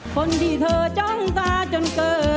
คนที่ทั้ร่องสาจละเจอ